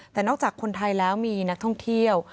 แต่นอกจากคนไทยแล้วมีนักท่องเที่ยว